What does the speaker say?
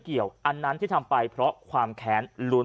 ชาวบ้านญาติโปรดแค้นไปดูภาพบรรยากาศขณะ